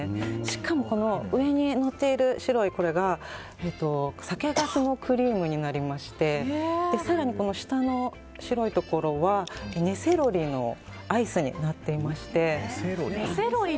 しかも、上にのっている白いのが酒かすのクリームになりまして更に下の白いところは根セロリのアイスになっていまして。